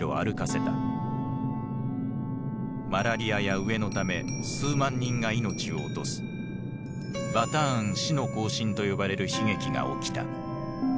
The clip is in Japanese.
マラリアや飢えのため数万人が命を落とす「バターン死の行進」と呼ばれる悲劇が起きた。